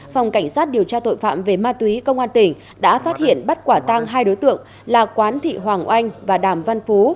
phòng cảnh sát điều tra tội phạm về ma túy công an tỉnh đã phát hiện bắt quả tang hai đối tượng là quán thị hoàng oanh và đàm văn phú